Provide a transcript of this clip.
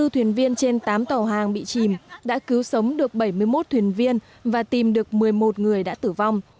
hai mươi thuyền viên trên tám tàu hàng bị chìm đã cứu sống được bảy mươi một thuyền viên và tìm được một mươi một người đã tử vong